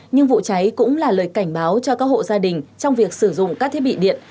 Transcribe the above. nhưng vụ cháy cũng là lời cảnh báo cho các hộ gia đình trong việc sử dụng các thiết bị điện